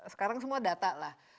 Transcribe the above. sekarang semua data lah